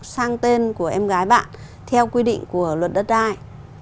sang tên của em gái bạn theo quy định của luật đất đai